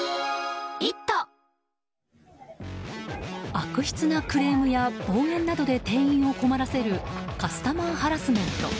悪質なクレームや暴言などで店員を困らせるカスタマーハラスメント